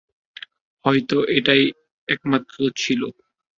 হয়তো একমাত্র এটাই ছিল।